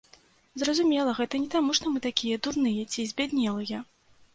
Зразумела, гэта не таму што мы такія дурныя ці збяднелыя!